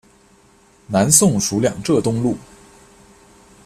南宋属两浙东路。